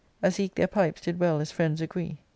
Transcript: As eke their pipes did well as friends agree.